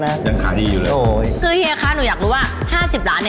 แบบแบบแบบ